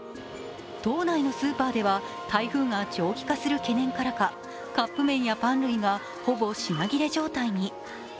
島内のスーパーでは台風が長期化する懸念からかカップ麺やパン類がほぼ品切れ状態に。